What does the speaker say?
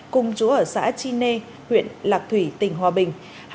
cùng chú ở xã chi nê huyện lạc thủy tỉnh hòa bình